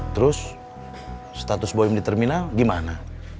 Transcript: terus status bom di terminal gimana